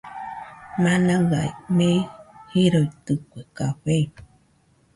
Manaɨa mei jiroitɨkue café